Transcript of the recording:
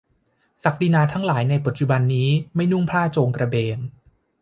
ศักดินาหลายคนในปัจจุบันนี้ ไม่นุ่งผ้าโจงกระเบน